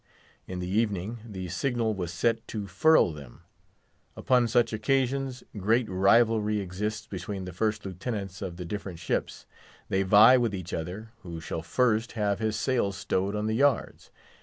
In the evening, the signal was set to furl them. Upon such occasions, great rivalry exists between the First Lieutenants of the different ships; they vie with each other who shall first have his sails stowed on the yards.